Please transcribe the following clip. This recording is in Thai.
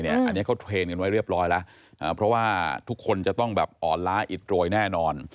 อันนี้เขาเทรนด์กันไว้เรียบร้อยแล้วเพราะว่าทุกคนจะต้องแบบอ่อนล้าอิดโรยแน่นอน